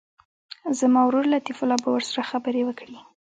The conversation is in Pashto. زما ورور لطیف الله به ورسره خبرې وکړي.